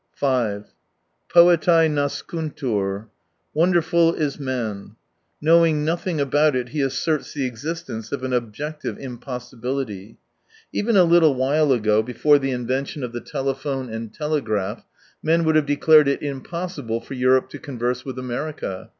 5 Poetae nascuntur. — Wonderful is man. Knowing nothing about it, he asserts the existence of an objective impossibility. Even a little while ago, before the invention of 147 the telephone and telegraph, men would have declared it impossible for Europe to converse with America.